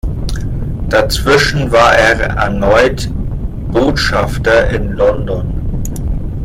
Dazwischen war er erneut Botschafter in London.